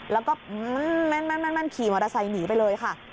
แล้วก็แม่นขี่มอเตอร์ไซค์หนีไปเลยค่ะ